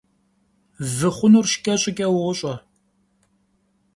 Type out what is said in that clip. Vı xhunur şşç'e ş'ıç'e vuoş'e.